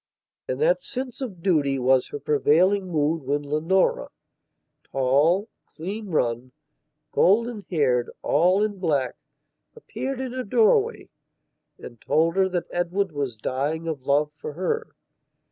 And that sense of duty was her prevailing mood when Leonora, tall, clean run, golden haired, all in black, appeared in her doorway, and told her that Edward was dying of love for her.